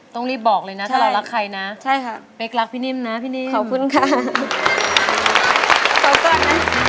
ต้องรีบบอกเลยนะถ้าเรารักใครนะ